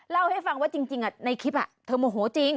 เล่าให้ฟังว่าจริงในคลิปเธอโมโหจริง